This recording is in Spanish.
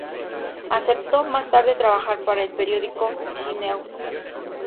Aceptó más tarde trabajar para el periódico "The News".